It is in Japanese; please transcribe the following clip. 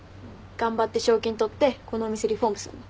頑張って賞金取ってこのお店リフォームするの。